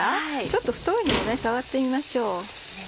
ちょっと太いのを触ってみましょう。